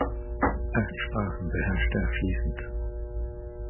Acht Sprachen beherrschte er fließend.